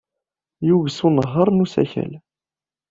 Yuges unehhaṛ n usakal.